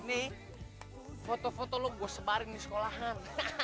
ini foto foto lo gue sebarin di sekolahan